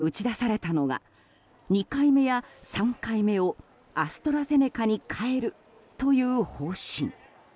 そんな中タイで打ち出されたのが２回目や３回目をアストラゼネカに変えるという方針。